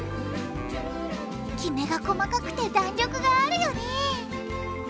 きめが細かくて弾力があるよね。